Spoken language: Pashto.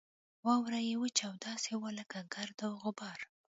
واوره یې وچه او داسې وه لکه ګرد او غبار.